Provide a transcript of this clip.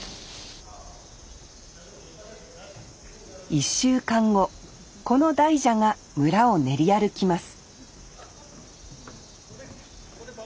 １週間後この大蛇が村を練り歩きます